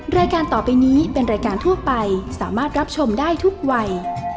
รายการต่อไปนี้เป็นรายการทั่วไปสามารถรับชมได้ทุกวัย